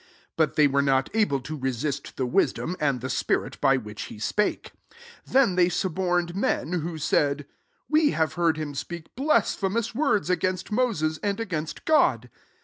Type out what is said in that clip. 10 But they were not able to resist the wis dom and the spirit by which he spake. 11 Then they subonied meD, who said, We have heard him speak blasphemous words against Moses, had againsij^ (S>d.''